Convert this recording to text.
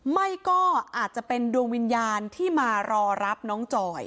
ไม่ก็อาจจะเป็นดวงวิญญาณที่มารอรับน้องจอย